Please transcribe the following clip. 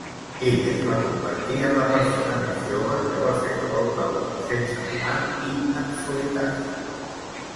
Ell es va convertir en la persona més jove que va fer la volta al món sense parar i en solitari.